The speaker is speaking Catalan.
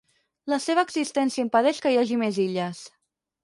La seva existència impedeix que hi hagi més illes.